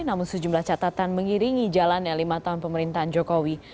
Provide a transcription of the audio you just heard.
namun sejumlah catatan mengiringi jalannya lima tahun pemerintahan jokowi